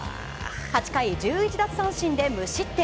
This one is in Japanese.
８回１１奪三振で無失点。